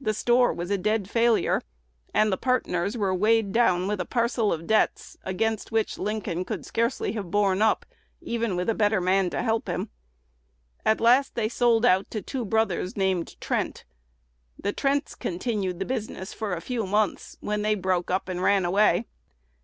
The "store" was a dead failure; and the partners were weighed down with a parcel of debts, against which Lincoln could scarcely have borne up, even with a better man to help him. At last they sold out to two brothers named Trent. The Trents continued the business for a few months, when they broke up and ran away.